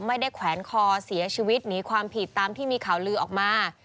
แขวนคอเสียชีวิตหนีความผิดตามที่มีข่าวลือออกมา